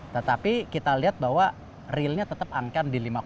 tetapi kita lihat bahwa realnya tetap angka di lima